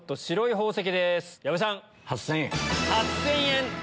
８０００円。